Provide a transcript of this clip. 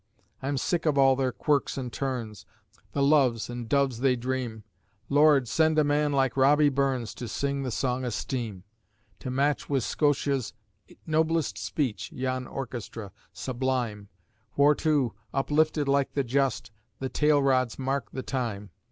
I'm sick of all their quirks an' turns the loves and doves they dream Lord, send a man like Robbie Burns to sing the Song o' Steam! To match wi' Scotia's noblest speech yon orchestra sublime, Whaurto uplifted like the Just the tail rods mark the time.